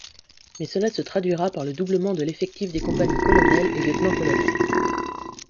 Mais cela se traduira par le doublement de l'effectif des compagnies colonelle et lieutenant-colonelle.